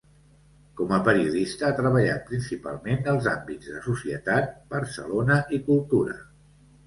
Com a periodista, ha treballat principalment els àmbits de Societat, Barcelona i Cultura.